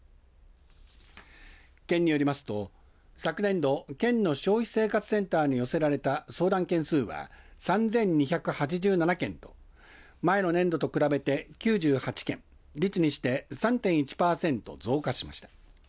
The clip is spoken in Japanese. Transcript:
県によりますと昨年度県の消費生活センターに寄せられた相談件数は３２８７件と前の年度と比べて９８件率にして３．１パーセント増加しました。